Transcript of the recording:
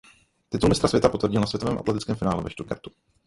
Titul mistra světa potvrdil na světovém atletickém finále ve Stuttgartu.